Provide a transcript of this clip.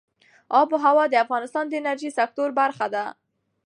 آب وهوا د افغانستان د انرژۍ سکتور برخه ده.